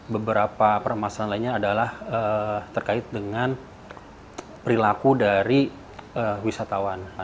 beberapa permasalahannya adalah terkait dengan perilaku dari wisatawan